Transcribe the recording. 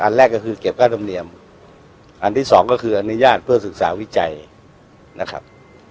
แรกก็คือเก็บค่าธรรมเนียมอันที่สองก็คืออนุญาตเพื่อศึกษาวิจัยนะครับ